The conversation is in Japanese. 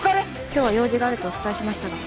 今日は用事があるとお伝えしましたが。